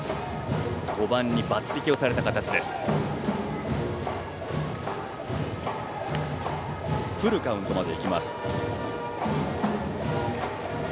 ５番に抜てきされた形です、石浦。